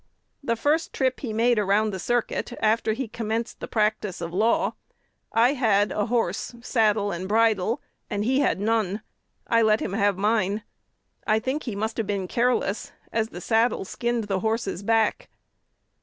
"The first trip he made around the circuit after he commenced the practice of law, I had a horse, saddle, and bridle, and he had none. I let him have mine. I think he must have been careless, as the saddle skinned the horse's back.